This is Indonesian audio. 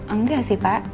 enggak sih pak